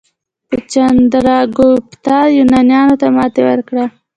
چندراګوپتا یونانیانو ته ماتې ورکړه.